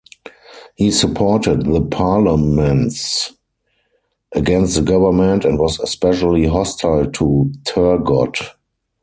He supported the "parlements" against the government and was especially hostile to Turgot.